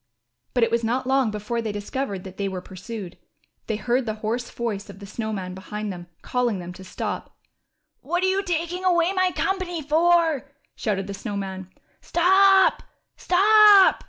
But it was not long before they discovered that they were pursued. They heard the hoarse voice of the Snow Man behind them calling to them to stop. ^^What are you taking away my company for?" shouted the Snow Man. Stop, stop